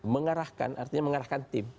mengarahkan artinya mengarahkan tim